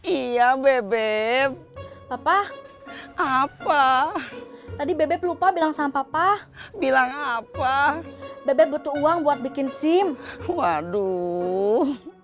iya bebek papa apa tadi bebek lupa bilang sama papa bilang apa bebek butuh uang buat bikin sim waduh